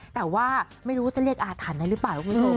แต่ว่าไม่รู้ว่าจะเรียกออทรรณนะรึปล่ะ